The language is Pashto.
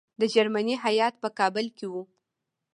د جرمني هیات په کابل کې وو.